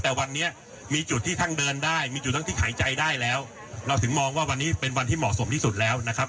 แต่วันนี้มีจุดที่ทั้งเดินได้มีจุดทั้งที่หายใจได้แล้วเราถึงมองว่าวันนี้เป็นวันที่เหมาะสมที่สุดแล้วนะครับ